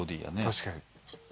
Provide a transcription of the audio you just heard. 確かに。